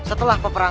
atau kau tidak